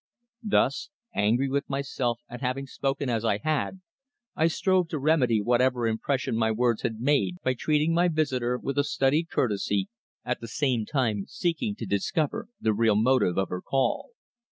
Thus, angry with myself at having spoken as I had, I strove to remedy whatever impression my words had made by treating my visitor with a studied courtesy, at the same time seeking to discover the real motive of her call.